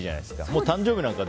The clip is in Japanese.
もう誕生日なんか